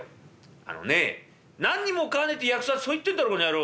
「あのねえ何にも買わねって約束だってそう言ってんだろこの野郎」。